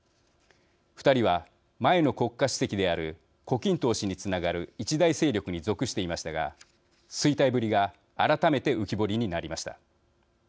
２人は、前の国家主席である胡錦涛氏につながる一大勢力に属していましたが衰退ぶりが改めて浮き彫りになりました。